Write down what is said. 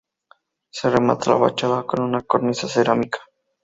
Se remata la fachada con una cornisa cerámica.